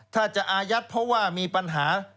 ถ้าจะอายัดเพราะว่ามีปัญหา